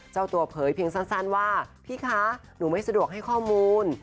เจ้าตัวเผยเพียงสั้นว่าพี่คะหนูไม่สะดวกให้ข้อมูล